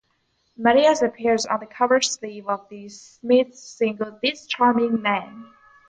Marais appears on the cover sleeve of The Smiths single "This Charming Man".